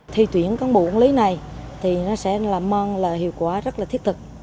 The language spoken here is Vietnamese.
thi tuyển cán bộ quản lý này sẽ làm mong hiệu quả rất thiết thực